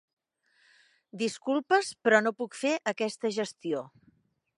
Disculpes, però no puc fer aquesta gestió.